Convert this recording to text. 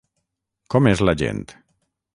Com és la gent?